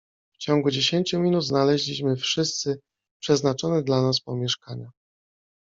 "W ciągu dziesięciu minut znaleźliśmy wszyscy przeznaczone dla nas pomieszkania."